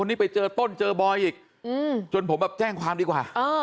นี่ไปเจอต้นเจอบอยอีกจนผมแบบแจ้งความดีกว่า